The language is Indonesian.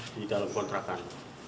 di dalam kontrakan